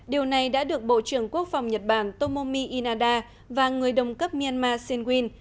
điều này đã được bộ trưởng quốc phòng nhật bản tomomi inada và người đồng cấp myanmar singwin